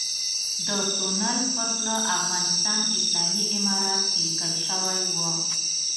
د تونل پر خوله افغانستان اسلامي امارت ليکل شوی و.